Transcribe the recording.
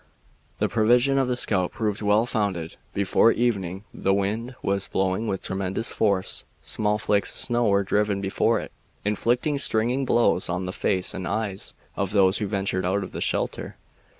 The prevision of the scout proved well founded. Before evening the wind was blowing with tremendous force. Small flakes of snow were driven before it, inflicting stinging blows on the face and eyes of those who ventured out of shelter.